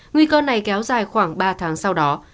nguy cơ này kéo dài khoảng ba tháng sau đó